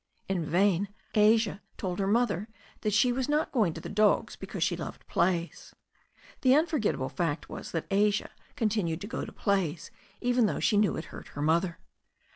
In vain Asia told her mother that she was not going to the dogs because she loved plays. The unforgetta ble fact was that Asia continued to go to plays even though she knew it hurt her mother.